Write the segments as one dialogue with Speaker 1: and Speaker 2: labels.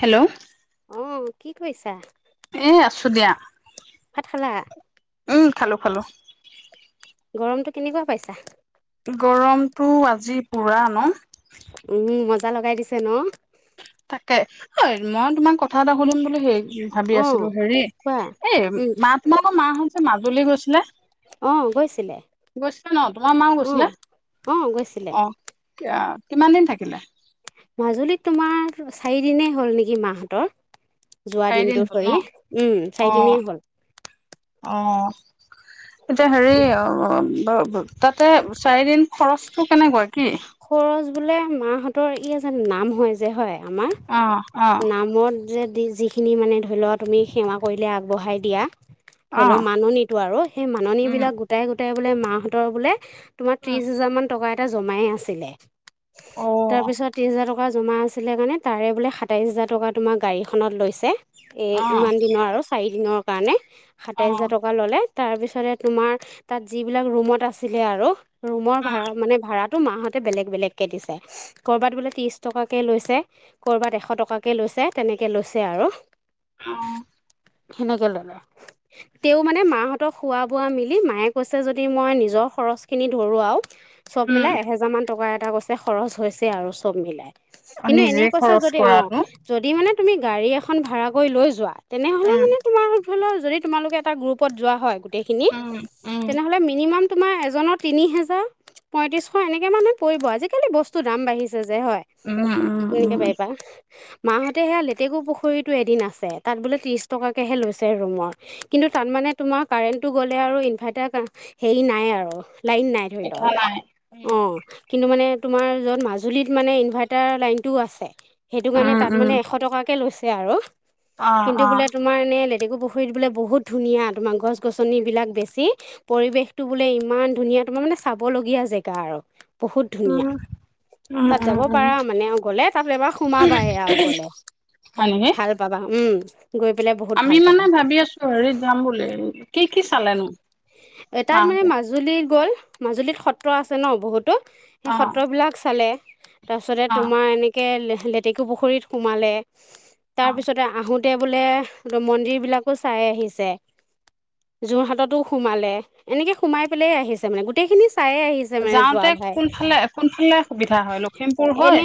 Speaker 1: Hello
Speaker 2: উম। কি কৰিছা?
Speaker 1: এ আছো দিয়া।
Speaker 2: ভাত খালা
Speaker 1: উম খালোঁ খালোঁ।
Speaker 2: গৰমতটো কেনেকুৱা পাইছা?
Speaker 1: গৰমতটো আজি পুৰা ন?
Speaker 2: [unintelligible] লগাই দিছে ন?
Speaker 1: তাকে, এই মই তোমাক কত কথা এটা সুধিম বুলি সেই ভাবি
Speaker 2: অঁ
Speaker 1: আছিলো হেৰি
Speaker 2: কোৱা
Speaker 1: এই
Speaker 2: উম
Speaker 1: মাঘ মাহত মাহঁত মাজুলী গৈছিলে?
Speaker 2: অও গৈছিলে,
Speaker 1: গৈছিলে ন তোমাৰ মাও
Speaker 2: অও অও গৈছিলে।
Speaker 1: কিয়, কিমান দিন থাকিলে?
Speaker 2: মাজুলীত তোমাৰ চাৰিদিনে হ'ল নেকি, মাহতৰ? যোৱা
Speaker 1: চাৰিদিন
Speaker 2: দিনটো
Speaker 1: হ'ল ন
Speaker 2: ধৰি উম, চাৰিদিনে হ'ল।
Speaker 1: অহ। এতিয়া হেৰি
Speaker 2: উ
Speaker 1: অ [unintelligible] তাতে চাৰিদিন খৰচটো কেনেকৈ?
Speaker 2: খৰচ বোলে মাহতৰ ই এজন নাম হয় যে হয়? আমাৰ
Speaker 1: অ অ
Speaker 2: নামত যে দিছে যিখিনি মানে ধৰিলোৱা তুমি, সেৱা কৰিলে আগবঢ়াই দিয়া। ধৰি
Speaker 1: অ
Speaker 2: লোৱা মাননীটো আৰু সেই মাননী
Speaker 1: উম
Speaker 2: বিলাক গোটাই গোটাই টে বোলে মাহতৰ বোলে তোমাক
Speaker 1: উম
Speaker 2: ত্ৰিশ হাজাৰমান টকা এটা জমাই আছিলে।
Speaker 1: অ
Speaker 2: তাৰ পিছত ত্ৰিশ [inaudible] টকা জমা আছিলে কাৰণে তাৰে বোলে সাতাইশ হাজাৰ টকা তোমাৰ গাড়ীখনত লৈছে, এ
Speaker 1: অ
Speaker 2: ইমান দিনৰ আৰু চাৰি দিনৰ পাৰানে?
Speaker 1: অ
Speaker 2: সাতাইশ হাজাৰ টকা ললে। তাৰ পিছতে তোমাৰ তাত যিবিলাক ৰুমত আছিলে আৰু ৰুমৰ ভাড়া মানে ভাড়াত তোৰ মাহতে বেলেগ বেলেগকে দিছে। কৰবাত বোলে ত্ৰিশ টকাকে লৈছে, কৰবাত এশ টকাকে লৈছে, তেনেকৈ লৈছে আৰু।
Speaker 1: অ।
Speaker 2: [unintelligible] তেওঁ মানে মা হতক খোৱা বোৱা মিলি মায়ে কৈছে যদি মই নিজৰ খৰচ খেনি ধৰো আৰু।
Speaker 1: উম
Speaker 2: মিলাই এহেজাৰ মান তগৰ এটা কৈছে খৰচ হৈছে, আৰু চব মিলাই। কিন্তু এনে
Speaker 1: নিজে
Speaker 2: কৈছে,
Speaker 1: খৰচ
Speaker 2: যদি অ',
Speaker 1: কৰাটো।
Speaker 2: যদি মানে তুমি গাড়ী এখন ভাড়া কৰি লৈ যোৱা। তেনেহলে
Speaker 1: উম,
Speaker 2: মানে তোমাৰ ধৰি লোৱা যদি তোমালোকে এটা গ্ৰুপত যোৱা হয়। এইখিনি
Speaker 1: উম, উম।
Speaker 2: তেনেহলে মিনিমাম তোমাৰ এজনৰ তিনি হেজাৰ? পঁয়ত্ৰিশ এনেকুৱা মানুহ পৰিব, আজিকালি বস্তুৰ দাম বাঢ়িছে। যে হয়,
Speaker 1: উম, উম,
Speaker 2: তেনেকে
Speaker 1: উম।
Speaker 2: পাৰিবা। মাহতে হে লেটেকু পুখুৰীটো এদিন আছে তাত বোলে তিৰিছ টকাকে লৈছে ৰুমৰ। কিন্তু তাত মানে তোমাৰ কাৰেণ্টটো গ'লে আৰু ইনভাৰ্টাৰ কা হেৰি নাই আৰু। লাইন নাই ধৰি লোৱা।
Speaker 1: পিঠা নাই, উম।
Speaker 2: অ', কিন্তু মানে তোমাৰ য'ত মাজুলীত মানে ইনভাৰ্টাৰ লাইনটোও আছে। সেইটো মানে
Speaker 1: উম,
Speaker 2: তাত মানে
Speaker 1: উম,
Speaker 2: এশ টকাকে লৈছে। সেয়া আৰু।
Speaker 1: অ',
Speaker 2: কিন্তু
Speaker 1: অ',
Speaker 2: বোলে তোমাৰ এনেই ডেকু পুখুৰীত বোলে বহুত ধুনীয়া তোমাৰ গছ গছনিবিলাক বেছি পৰিৱেশটো বোলে ইমান ধুনীয়া তোমাৰ মানে চাবলগীয়া জেগা আৰু বহুত
Speaker 1: উম,
Speaker 2: ধুনীয়া।
Speaker 1: উম,
Speaker 2: তাত
Speaker 1: উম,
Speaker 2: যাব
Speaker 1: উম।
Speaker 2: পাৰা। মানে, গলে তাত এবাৰ সোমাবা আৰু গলে
Speaker 1: হয় নেকি?
Speaker 2: ভাল পাবা। উম। গৈ পেলাই বহুত
Speaker 1: আমি
Speaker 2: ভাল পাবা
Speaker 1: মানে ভাবি আছিলো হেৰিত যাম বুলি কি কি চালানো
Speaker 2: এ
Speaker 1: মা
Speaker 2: তাত মানে
Speaker 1: হতে?
Speaker 2: মাজুলীত গ'ল মাজুলীত সত সএ আছে ন বহুতো। সেই
Speaker 1: অ',
Speaker 2: সত্ৰবিলাক চালে তাৰপিছতে
Speaker 1: অ',
Speaker 2: তোমাৰ এনেকে লেটেকু পুখুৰীত সোমালে। তাৰ
Speaker 1: অ',
Speaker 2: পিছতে আহোতে তেওঁ বোলে মন্দিৰবিলাকো চাই আহিছে। যোৰহাটতো সোমালে, এনেকৈ সোমাই পেলাই আহিছে মানে গোটেইখিনি চাই
Speaker 1: যাওঁতে কোনফালে কোনফালে সুবিধা হয় লখিমপুৰ হয়?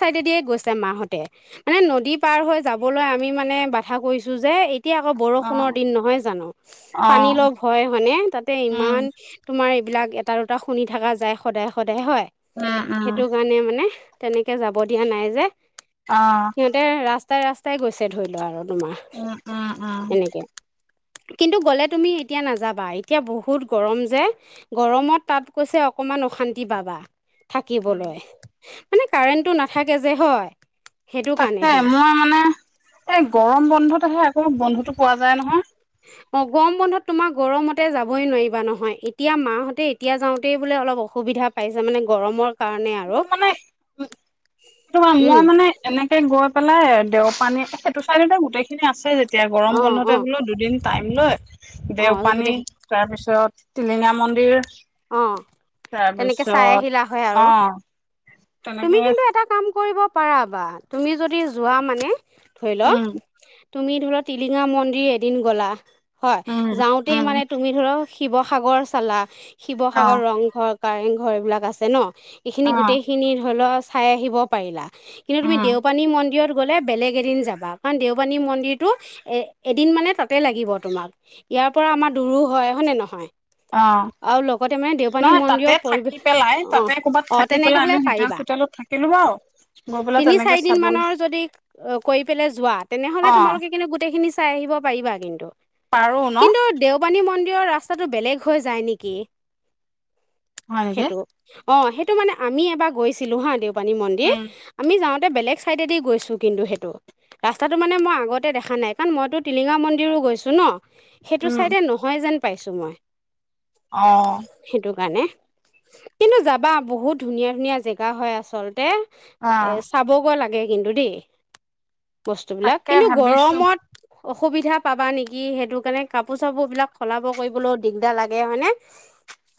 Speaker 2: ছাইদে দিয়ে গৈছে মাঁহতে, মানে নদী পাৰ হৈ যাবলৈ আমি মানে বাধা কৰিছোঁ যে এই কি, আকৌ বৰষুণৰ
Speaker 1: অ',
Speaker 2: দিন নহয় জানো? পানী
Speaker 1: অ',
Speaker 2: লগ হয় হয়নে, তাতে
Speaker 1: উম,
Speaker 2: ইমান তোমাৰ বিলাক এ তাৰোটা শুনি থাকা যায় সদায় সদ হয়,
Speaker 1: উম, উম,
Speaker 2: সেইটো কাৰণে মানে তেনেকে যাব দিয়া নাই যে।
Speaker 1: অ',
Speaker 2: সিহঁতে ৰাছ তাই ৰাস্তাই গৈছে ধৰি লও আৰু। তোমাৰ
Speaker 1: উম, উম, উম।
Speaker 2: এনেকে কিন্তু গ'লে তুমি এতিয়া নাযাবা, এতিয়া বহুত গৰম যে গৰমত। তাত কৈছে অকমান অশান্তি পাবা।
Speaker 1: হয়
Speaker 2: থাকিবলৈ।
Speaker 1: নেকি?
Speaker 2: মানে কাৰেণ্টটো নাথাকে যে হয়। সেইটো
Speaker 1: তাকে
Speaker 2: কাৰণেহে
Speaker 1: মই মানে, এই গৰম বন্ধত আহে তো বন্ধুতো পোৱা যায় নহয়।
Speaker 2: অ', গৰম বন্ধত তোমাৰ গৰমতে যাবই নোৱাৰিবা নহয়। এতিয়া মাহতে এতিয়া যাওঁতেই বোলে অলপ অসুবিধা পাইছে মানে গৰমৰ কাৰণে আৰু।
Speaker 1: সেইটো [unintelligible]
Speaker 2: উম
Speaker 1: মই মানে এনেকে গৈ পেলায়, দেও পানী এ, সেইটো চাইডতটো গোটেইখিনি আছেই এতিয়া গৰম
Speaker 2: অ
Speaker 1: বন্ধতে
Speaker 2: অ
Speaker 1: বোলো দুদিন টাইম লৈ দেও
Speaker 2: অঁ
Speaker 1: পানী,
Speaker 2: গোটেই
Speaker 1: তাৰপিছত টিলিঙা মন্দিৰ
Speaker 2: অঁ তেনেকৈ চাই
Speaker 1: তাৰপিছত,
Speaker 2: আহিলা হয় আৰু
Speaker 1: অ'।
Speaker 2: তুমি
Speaker 1: তেনেকে
Speaker 2: কিন্তু এটা কাম কৰিব পাৰা বা। তুমি যদি যোৱা মানে ধৰি ল
Speaker 1: উম
Speaker 2: তুমি ধৰা, টিলিঙা মন্দিৰ এদিন গ'লা। হয়।
Speaker 1: উম
Speaker 2: যাওঁতেই
Speaker 1: উম
Speaker 2: মানে তুমি ধৰক শিৱসাগৰ চালা
Speaker 1: অ
Speaker 2: শিৱসাগৰ, ৰংঘৰ কাৰেং ঘৰ এইবিলাক আছে ন! এইখিনি
Speaker 1: অ
Speaker 2: গোটেই ধৰি ল, চাই আহিব পাৰিলা। কিন্তু তুমি
Speaker 1: উম
Speaker 2: দেওপানী মন্দিৰত গ'লে বেলেগ এদিন যাবা। কাৰণ দেওপানী মন্দিৰটো এ-এদিন মানে তাতে লাগিব তোমাক ইয়াৰ পৰা আমাৰ দূৰো হয়, হয়নে নহয়।
Speaker 1: অ
Speaker 2: আৰু লগতে মানে দেওপানী
Speaker 1: নহয় তাতে
Speaker 2: মন্দিৰৰ
Speaker 1: থাকি
Speaker 2: পৰিৱেশ
Speaker 1: পেলাই
Speaker 2: অ',
Speaker 1: তাতে ক'ৰবাত
Speaker 2: অ',
Speaker 1: থাকি
Speaker 2: তেনেকে
Speaker 1: পেলাই
Speaker 2: হ'লে
Speaker 1: আমি হোটেল
Speaker 2: পাৰিবা।
Speaker 1: চোটেলত থাকিলো বাৰু গৈ পেলাই
Speaker 2: তিনি
Speaker 1: তেনেকে
Speaker 2: চাৰি দিন
Speaker 1: চাবলৈ
Speaker 2: মানৰ যদি কৰি পেলাই যোৱা তেনেহলে
Speaker 1: অ
Speaker 2: তোমালোকে কিন্তু গোটেখিন নি চাই আহিব পাৰিবা কিন্তু।
Speaker 1: পাৰো ন
Speaker 2: কিন্তু দেওপানী মন্দিৰ ৰাস্তাটো বেলেগ হৈ যায় নেকি।
Speaker 1: হয় নেকি
Speaker 2: সেইটো অ'। সেইটো মানে আমি এবাৰ গৈছিলো হা দেউ দেওঁপানী মন্দিৰ।
Speaker 1: উম
Speaker 2: আমি যাওঁ বেলেগ চাইডেদি গৈছোঁ কিন্তু সেইটো ৰাস্তাটো মানে মই আগতে দেখা নাই। কাৰণ মইতো টিলিঙা মন্দিৰো গৈছোঁ ন। সেইটো
Speaker 1: উম
Speaker 2: চাইডে নহয় যেন পাইছোঁ মই।
Speaker 1: অ
Speaker 2: সেইটো কাৰণে কিন্তু যাবা বহুত ধুনীয়া ধুনীয়া জেগা হয় আচলতে।
Speaker 1: অ
Speaker 2: এ চাবগৈ লাগে। কিন্তু দেই বস্তুবিলাক।
Speaker 1: তাকে
Speaker 2: কিন্তু
Speaker 1: ভাবিছো
Speaker 2: গৰমত অসুবিধা পাবা নেকি সেইটো কাৰণে কাপোৰ চাপোৰ বিলাক সলাব কৰিবলৈও দিগদাৰ লাগে হয়নে?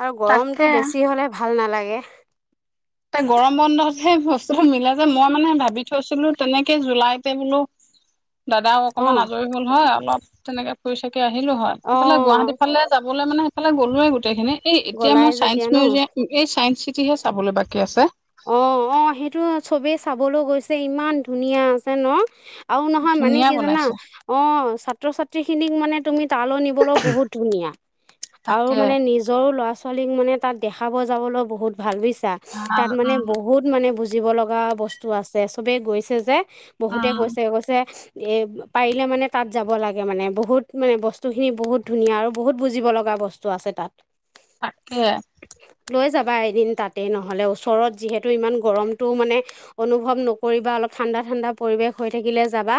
Speaker 2: আৰু
Speaker 1: তাকে
Speaker 2: গৰমতটো বেছি হলে ভাল নালাগে। এহ
Speaker 1: গৰম বন্ধতহে বস্তুবোৰ মিলে যে। মই মানে ভাবি থৈছিলো তেনেকে জুলাইতে বোলো দাদাও
Speaker 2: অ
Speaker 1: অকমান আজৰি হ'ল হয় অলপ তেনেকে ফুৰি-চাকি আহিলো হয়।
Speaker 2: অ
Speaker 1: ইফালে গুৱাহাটী ফালে যাবলৈ মানে সেইফালে গলোয়েই গোটেইখিনি। এই এতিয়া
Speaker 2: গলাই
Speaker 1: মই চাইন্স
Speaker 2: যেতিয়া ন
Speaker 1: মিউজিয়াম এই চাইন্স সেইটোহে চাবলৈ বাকী কি আছে?
Speaker 2: অ' অ' সেইটো চবেই চাবলৈ গৈছে ইমান ধুনীয়া আছে ন। আৰু নহয় মানে
Speaker 1: ধুনীয়া
Speaker 2: কি জানা
Speaker 1: বনাইছে
Speaker 2: অ' ছাত্ৰ-ছাত্ৰী খিনিক মানে তুমি তালৈ নিবলৈও বহুত ধুনীয়া আৰু
Speaker 1: তাকে
Speaker 2: মানে নিজৰো ল'ৰা ছোৱালীক মানে তাত দেখাব যাবলৈ বহুত ভাল বুইছে। চাহ
Speaker 1: ভাল
Speaker 2: মানে
Speaker 1: উম
Speaker 2: বহুত মানে [unintelligible] বুজিব লগা বস্তু আছে সবেই গৈছে যে। বহুতে
Speaker 1: উম
Speaker 2: কৈছে, কৈছে এ পাৰিলে মানে তাত যাব লাগে মানে বহুত মানে বস্তুখিনি বহুত ধুনীয়া আৰু বহুত বুজিব লগা বস্তু আছে তাত।
Speaker 1: তাকে
Speaker 2: লৈ যাবা এদিন তাতে নহলেই ওচৰত যিহেতু ইমান গৰমটো মানে অনুভৱ নকৰিবা অলপ ঠাণ্ডা ঠাণ্ডা পৰিৱেশ হৈ থাকিলে যাবা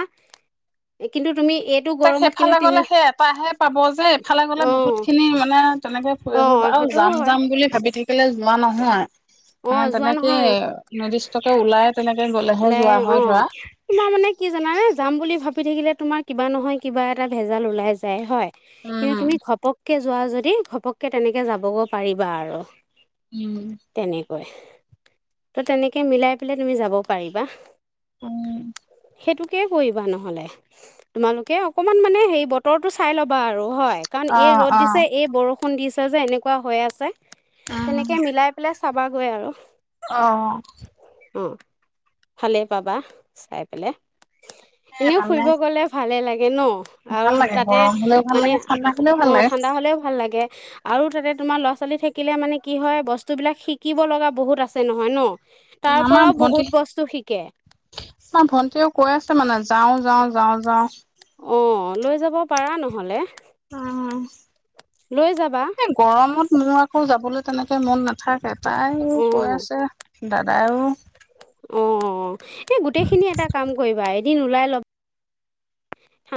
Speaker 2: কিন্তু তুমি এইটো
Speaker 1: তাক
Speaker 2: গৰমত কিন্তু
Speaker 1: সেইফালে
Speaker 2: তিনি
Speaker 1: গলে সেই এটাহে পাব যে এইফালে গলে বহুত
Speaker 2: অঁ
Speaker 1: খিনি মানে তেনেকে
Speaker 2: অঁ
Speaker 1: আৰু
Speaker 2: সেইটোও
Speaker 1: যাম
Speaker 2: হয়
Speaker 1: যাম বুলি ভাবি থাকি [unintelligible] যোৱা নহয় মানে
Speaker 2: অঁ যোৱা
Speaker 1: তেনেকে
Speaker 2: নহয়
Speaker 1: নিৰ্দিষ্টকে ওলাই তেনেকে গলেহে
Speaker 2: ওলাই
Speaker 1: যোৱা
Speaker 2: অ
Speaker 1: হয় ধৰা।
Speaker 2: তোমাৰ মানে কি জানানে যাম বুলি ভাবি থাকিলে তোমাৰ কিবা নহয় কিবা এটা ভেজাল ওলাই যায় হয় কিন্তু
Speaker 1: উম,
Speaker 2: তুমি ঘপক যোৱা যদি ঘপককে তেনেকে যাবগৈ পাৰিবা আৰু
Speaker 1: উম
Speaker 2: তেনেকৈ, তহ তেনেকে মিলাই পেলাই তুমি যাব পাৰিবা
Speaker 1: উম
Speaker 2: সেইটোকে কৰিবা নহলে তোমালোকে অকণমান মানে হেৰি বতৰটো চাই লবা আৰু হয়। কাৰণ এই
Speaker 1: অ',
Speaker 2: ৰদ
Speaker 1: অ',
Speaker 2: দিছে এই বৰষু দিছে যে এনেকুৱা হৈ আছে তেনেকে মিলাই চাবাগৈ আৰু
Speaker 1: অ
Speaker 2: অ ভালেই পাবা চাই পেলাই
Speaker 1: সেই
Speaker 2: এনেও
Speaker 1: মানে
Speaker 2: ফুৰিব গলে ভালে লাগে হনো অ
Speaker 1: ভাল
Speaker 2: আৰু
Speaker 1: লাগে
Speaker 2: তাতে
Speaker 1: গৰম হলেও ভাল
Speaker 2: মানে
Speaker 1: লাগে ঠাণ্ডা হলেও ভাল
Speaker 2: অ
Speaker 1: লাগে।
Speaker 2: ঠাণ্ডা হলেও ভাল লাগে। আৰু তাতে তোমাৰ লৰা ছোৱালী থাকিলে মানে কি হয় বস্তু বস্তুবিলাক শিকিব লগা বহুত আছে নহয় ন তাৰ পৰাও
Speaker 1: আমাৰ ভন্টি,
Speaker 2: বহুত বস্তু শিকে
Speaker 1: আমাৰ ভন্টীয়েও কৈ আছে মানে আজ যাওঁ যাওঁ যাওঁ যাওঁ
Speaker 2: অঁ লৈ যাব পাৰা নহলে।
Speaker 1: উম
Speaker 2: লৈ যাবা
Speaker 1: এই গৰমত মোৰ আকৌ যাবলৈ তেনেকে মন নাথাকে তাই কৈ
Speaker 2: অঁ
Speaker 1: আছে দা [unintelligible]
Speaker 2: অঁ এই গোটেই খিনি এটা কাম কৰিবা এই দিন ওলাই লওক।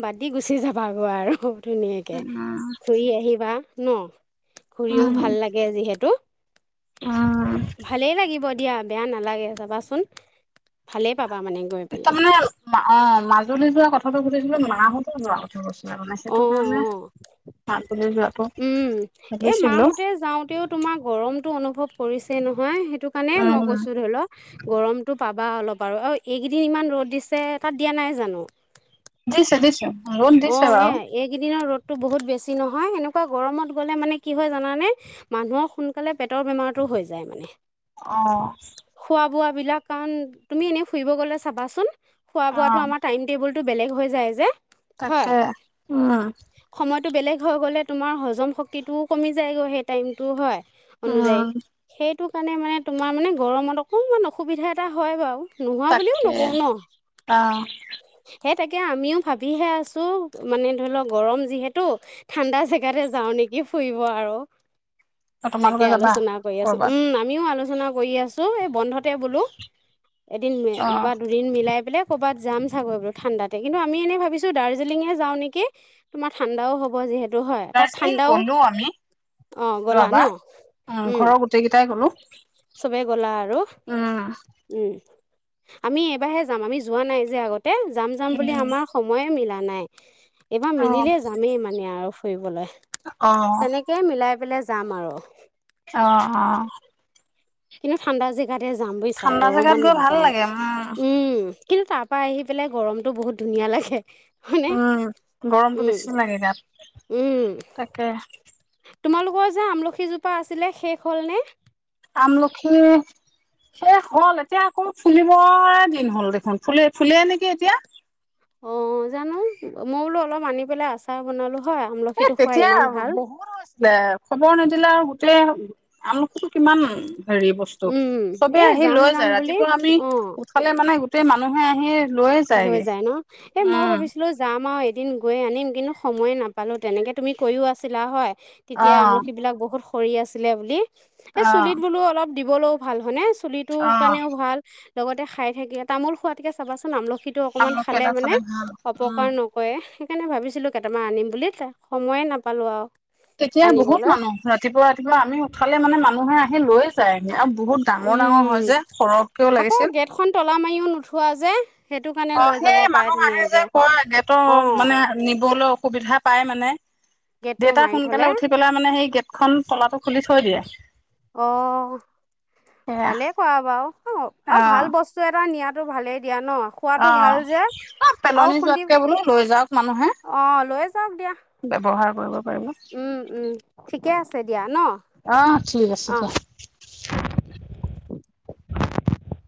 Speaker 2: বাটদি গুচি যাবাগৈ আৰু ধুনীয়াকে
Speaker 1: উম,
Speaker 2: ঘূৰি আহিবা। ন? ঘূৰিও
Speaker 1: উম,
Speaker 2: ভাল লাগে যিহেতু।
Speaker 1: উম,
Speaker 2: ভালেই লাগিব। দিয়া বেয়া নালাগে যাবাচোন ভালে পা
Speaker 1: তাৰ মানে অ মাজুলী যোৱা কথাটো সুধিছিলো মা সতো যোৱা কথা কৈছে।
Speaker 2: অ-অ
Speaker 1: মাজুলী যোৱাটো
Speaker 2: উম এ
Speaker 1: ভাবিছিলো
Speaker 2: মাহঁতে যাওঁতেও তোমাৰ গৰম অনুভৱ কৰিছেই নহয় সেই সেইটো কাৰণে মই
Speaker 1: উম
Speaker 2: কৈছোঁ ধৰি ল গৰমতটো পাবা অলপ আৰু আৰু এইকেইদিন ইমান ৰদ দিছে তাত দিয়া নাই জানো?
Speaker 1: দিছে-দিছে।
Speaker 2: অ এয়াই এই কেইদিনৰ ৰদ টো বহুত বেছি নহয় এনেকুৱা গৰমত গলে মানে কি হয় জানানে মানুহৰ সোনকালে পেটৰ বেমাৰটো হৈ যায় মানে।
Speaker 1: অ
Speaker 2: বিলাক কাৰণ, তুমি এনেই ফুৰিব গলে চাবাচোন। খোৱা
Speaker 1: অ
Speaker 2: বোৱাতটো আমাৰ টাইম টেবুল [unintelligible] বেলেগ হৈ যায় যে। হয়
Speaker 1: তাকে উম
Speaker 2: সময়টো বেলেগ হৈ গলে তোমাৰ হজম শক্তিটোও কমি যায়গৈ সেই টাইমটো হয়। অনুযায়ী
Speaker 1: উম
Speaker 2: সেই সেইটো কাৰণে মানে তোমাৰ মানে গৰমত অকণমান অসুবিধা এটা হয় বাৰু। নোহোৱা বুলিও
Speaker 1: তাকে
Speaker 2: নকওঁ ন?
Speaker 1: অ
Speaker 2: হেত তাকে আমিও ভাবিহে আ [unintelligible] মানে ধৰি লওক গৰম যিহেতু ঠাণ্ডা জেগাতে যাওঁ নেকি ফুৰিব আৰু তাকে
Speaker 1: তোমালোকে যাবা
Speaker 2: আলোচনা কৰি আছোঁ,
Speaker 1: কৰ'বাত
Speaker 2: উম আমিও আলোচনা কৰি আছোঁ এই বন্ধতে বোলো। এদিন
Speaker 1: অ
Speaker 2: বা দুদিন মিলাই বোলে কবাত য চাগৈ এইো ঠাণ্ডা কিন্তু আমি এনে ভাবিছোঁ দা দাৰ্জিলিংঙেই যাওঁ নেকি? তোমাৰ ঠাণ্ডাও হব যিহে আৰু হয় তাত
Speaker 1: দাৰ্জিলিং
Speaker 2: ঠাণ্ডাও।
Speaker 1: গ'লো আমি
Speaker 2: অ, গলা ন?
Speaker 1: যোৱাবাৰ
Speaker 2: উম,
Speaker 1: ঘৰৰ গোটেই কেইটাই গ'লো
Speaker 2: চবে গলা আৰু
Speaker 1: উম
Speaker 2: উম আমি এইবাৰহে যাম, আমি যোৱা নাই যে আগত। তে যাম-যাম
Speaker 1: উম
Speaker 2: বুলি আমাৰ সময়ে মিলা নাই। এইবাৰ
Speaker 1: অ
Speaker 2: মিলিলে যামেই মানে আৰু ফুৰিবলৈ।
Speaker 1: অ
Speaker 2: তেনেকে মিলাই পেলাই যাম আৰু
Speaker 1: অ', অ।
Speaker 2: কিনো ঠাণ্ডা যে তাতে যাম বুজিছা
Speaker 1: ঠাণ্ডা জেগাত
Speaker 2: গৰমত
Speaker 1: গৈ ভাল
Speaker 2: নাযাও,
Speaker 1: লাগে উম
Speaker 2: উম। কিন্তু তাৰ পৰা আহি পেলাই গৰমতটো বহুত ধুনীয়া লাগে। হয়নে
Speaker 1: উম, গৰমতটো
Speaker 2: উম
Speaker 1: বেছি লাগে তাত,
Speaker 2: উম
Speaker 1: তাকেই।
Speaker 2: তোমালোকৰ যে আমলখিজোপা আছিলে শেষ হ'লনে?
Speaker 1: আমলখি শেষ হল, এতিয়া আকৌ ফুলিবয়েই দিন হল দেখোন। ফুলে, ফুলেই নেকি এতিয়া।
Speaker 2: অ', জানো। মই বোলো অলপ আনি পেলাই আচাৰ বনালো হয়
Speaker 1: এ,
Speaker 2: আমলখিটো খোৱা
Speaker 1: তেতিয়া
Speaker 2: ইমান ভাল
Speaker 1: বহুত হৈছিলে খবৰ নদ জিলাৰ গোটেই আমলখিটো কিমান হেৰি বস্তু
Speaker 2: উম,
Speaker 1: চবে
Speaker 2: এ
Speaker 1: আহি
Speaker 2: যাম
Speaker 1: লৈ
Speaker 2: যাম
Speaker 1: যায়,
Speaker 2: বুলি
Speaker 1: ৰাতিপুৱা আমি
Speaker 2: অ'
Speaker 1: উঠালে মানে গো তাতে মানুহে আহি লৈয়ে
Speaker 2: লৈ
Speaker 1: যায়গে
Speaker 2: যায় ন? এ, মই
Speaker 1: উম
Speaker 2: ভাবিছিলো যাম আৰু এ এদিন গৈ আনিম কিন্তু সময়ে নাপালোঁ, তেনেকৈ তুমি কৰিও আছিলা হয়।
Speaker 1: অ
Speaker 2: তেতিয়া আমলখিবিলাক বহুত কৰি আছিলে বুলি। এ,
Speaker 1: অ
Speaker 2: চুলিত বোলো অলপ দিবলৈও ভাল হয়নে, চো চুলিটোৰ
Speaker 1: অ
Speaker 2: কাৰণেও ভাল। লগতে খাই থাকিলে তামোল খোৱাতকে চাবা [unintelligible] সিটো অকণমান
Speaker 1: আমলখি
Speaker 2: খালে
Speaker 1: এটা
Speaker 2: মানে,
Speaker 1: ভাল উম
Speaker 2: অপকাৰ নকৰে। সেইকাৰণে ভাবিছিলোঁ কেইটামান আনিম বুলি, ত, সময়ে নাপালো আৰু
Speaker 1: তেতিয়া বহুত
Speaker 2: আনিবলৈ
Speaker 1: মানুহ, ৰাতিপুৱা ৰাতিপুৱা আমি উঠালে মানে মানুহে আহি লৈয়ে যায় আৰু বহুত ডাঙৰ ডাঙৰ হয়
Speaker 2: উম,
Speaker 1: যে, সৰহকৈও
Speaker 2: আকৌ
Speaker 1: লাগিছিল।
Speaker 2: গেটখন তলা মাৰিও নুঠোৱা যে সেইটো কাৰণে
Speaker 1: অ',
Speaker 2: লৈ যাব
Speaker 1: সেই
Speaker 2: পাৰে
Speaker 1: মানুহ আহে
Speaker 2: ধুনীয়াকে
Speaker 1: যে কোৱা গেটৰ
Speaker 2: অ',
Speaker 1: মানে নিবলৈ সুবিধা পায় মানে।
Speaker 2: গেটটো
Speaker 1: দেউতা
Speaker 2: মাৰি থলে।
Speaker 1: সোনকালে
Speaker 2: অ',
Speaker 1: উঠি পেলাই মানে সেই গেটখন তলাটো খুলি থৈ দিয়ে সেয়া
Speaker 2: ভালেই কআ বাৰু অ', আৰু ভাল বস্তু এটা নিয়াত ভালেই। দিয়া ন খোৱাটো
Speaker 1: অ',
Speaker 2: ভাল যে
Speaker 1: অ',
Speaker 2: আৰু
Speaker 1: পেলনি
Speaker 2: খুন্দি
Speaker 1: যোৱাতকে বোলো লৈ যাওক মানুহে।
Speaker 2: অ', লৈ যাওক দিয়া
Speaker 1: ব্যৱহাৰ কৰিব কৰিব,
Speaker 2: উম, উম, ঠিকে আছে দিয়া ন
Speaker 1: অ', ঠিক আছে
Speaker 2: অ'।
Speaker 1: দিয়া।